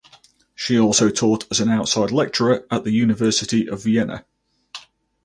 She also taught as an outside lecturer at the University of Vienna.